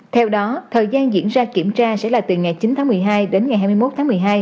theo đó thời gian diễn ra kiểm tra sẽ là từ ngày chín tháng một mươi hai đến ngày hai mươi một tháng một mươi hai